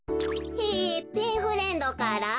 へえペンフレンドから？